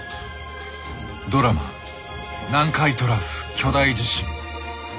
ドラマ「南海トラフ巨大地震」。